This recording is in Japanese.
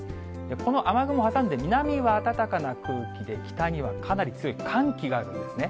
この雨雲挟んで、南は暖かな空気で、北にはかなり強い寒気があるんですね。